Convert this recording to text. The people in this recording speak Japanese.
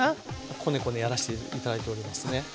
コネコネやらして頂いておりますね。